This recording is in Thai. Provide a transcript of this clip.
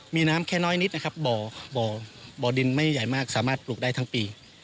มีน้ำแค่น้อยนิดนะครับบ่อบ่อดินไม่ใหญ่มากสามารถปลูกได้ทั้งปี